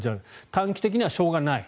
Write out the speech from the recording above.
短期的にはしょうがない